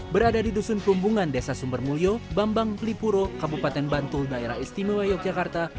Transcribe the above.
berada di dusun perumbungan desa sumbermulyo bambang pelipuro kabupaten bantul daerah istimewa yogyakarta